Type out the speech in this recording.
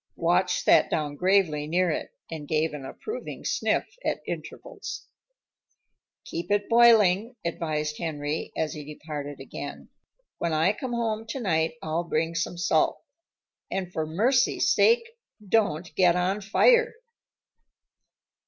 Watch sat down gravely near it, and gave an approving sniff at intervals. "Keep it boiling," advised Henry as he departed again. "When I come home tonight I'll bring some salt. And for mercy's sake, don't get on fire."